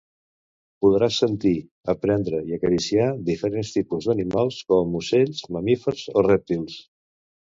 Podràs sentir, aprendre i acariciar diferents tipus d'animals, com ocells, mamífers o rèptils.